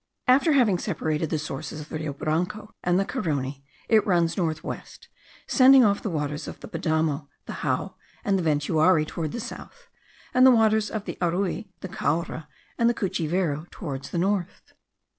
After having separated the sources of the Rio Branco and the Carony, it runs north west, sending off the waters of the Padamo, the Jao, and the Ventuari towards the south, and the waters of the Arui, the Caura, and the Cuchivero towards the north.